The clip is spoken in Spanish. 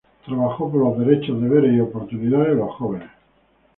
Trabajó por los derechos, deberes y oportunidades de los jóvenes.